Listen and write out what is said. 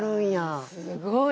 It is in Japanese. すごい。